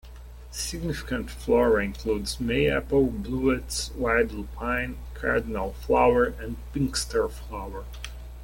Significant flora includes mayapple, bluets, wild lupine, cardinal flower, and pinxter flower.